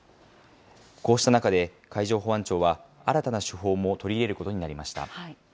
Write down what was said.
こうした中で、海上保安庁は、新たな手法も取り入れることになりました。